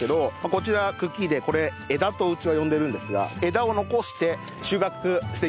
こちらは茎でこれ枝とうちは呼んでるんですが枝を残して収穫してみましょうか。